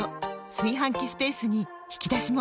炊飯器スペースに引き出しも！